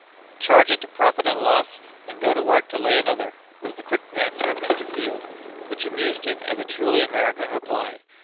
"Charge it to profit and loss, and go to work to lay another," was the quick answer of Mr. Field, which amused him as a truly American reply.